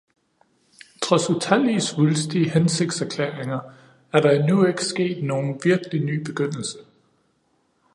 Trods utallige svulstige hensigtserklæringer er der endnu ikke sket nogen virkelig ny begyndelse.